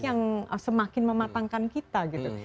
yang semakin mematangkan kita